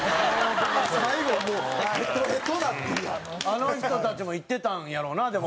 あの人たちも行ってたんやろうなでも。